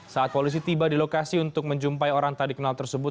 saat polisi tiba di lokasi untuk menjumpai orang tak dikenal tersebut